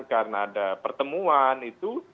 karena ada pertemuan itu